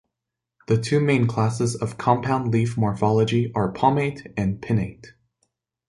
The two main classes of compound leaf morphology are palmate and pinnate.